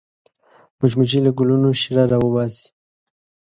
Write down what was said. مچمچۍ له ګلونو شیره راوباسي